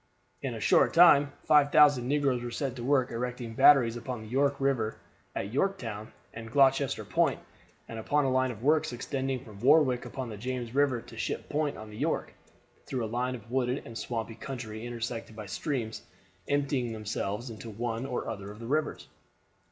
In a short time 5,000 negroes were set to work erecting batteries upon the York River at Yorktown and Gloucester Point, and upon a line of works extending from Warwick upon the James River to Ship Point on the York, through a line of wooded and swampy country intersected by streams emptying themselves into one or other of the rivers.